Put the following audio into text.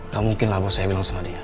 gak mungkin lah bos saya bilang sama dia